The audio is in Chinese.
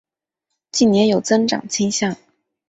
近年有增长倾向。